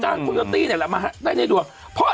จะจ้างโคโยตี้นี่แหละเต้นให้ดูอะไรเลยครับ